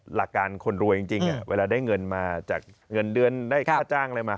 หลักการคนรวยจริงเวลาได้เงินมาจากเงินเดือนได้ค่าจ้างอะไรมา